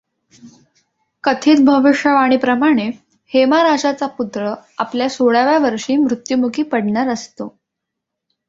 कथित भविष्यवाणी प्रमाणे हेमा राजाचा पुत्र आपल्या सोळाव्या वर्षी मृत्युमुखी पडणार असतो.